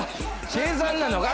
計算なのか？